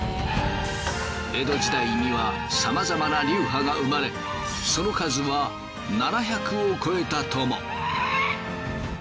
江戸時代にはさまざまな流派が生まれその数は７００を超えたとも。